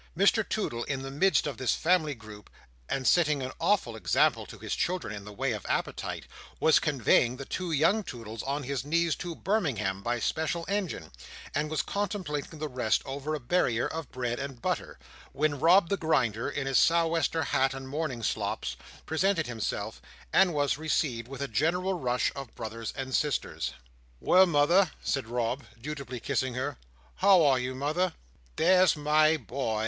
Mr Toodle, in the midst of this family group, and setting an awful example to his children in the way of appetite, was conveying the two young Toodles on his knees to Birmingham by special engine, and was contemplating the rest over a barrier of bread and butter, when Rob the Grinder, in his sou'wester hat and mourning slops, presented himself, and was received with a general rush of brothers and sisters. "Well, mother!" said Rob, dutifully kissing her; "how are you, mother?" "There's my boy!"